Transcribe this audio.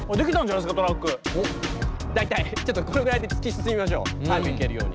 大体ちょっとこれぐらいで突き進みましょう。